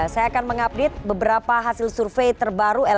silakan kel profesi berfrom dato'